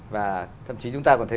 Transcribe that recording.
và thậm chí chúng ta còn thấy